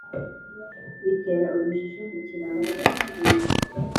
bitera urujijo ku kirango cy’ubucuruzi